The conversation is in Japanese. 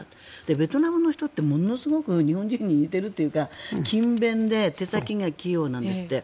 ベトナムの人ってものすごく日本人に似てるというか勤勉で手先が器用なんですって。